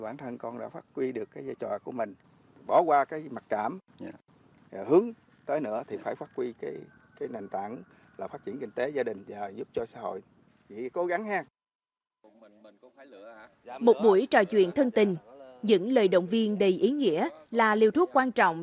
một buổi trò chuyện thân tình những lời động viên đầy ý nghĩa là liều thuốc quan trọng